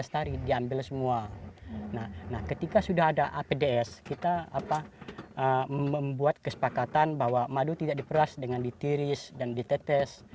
jadi kita sudah membuat kesepakatan bahwa madu tidak diperas dengan ditiris dan ditetes